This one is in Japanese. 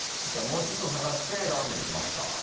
もうちょっと探してラーメンにしますか。